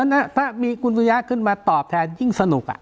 ถ้ามีคุณสุยะขึ้นมาตอบแทนยิ่งสนุก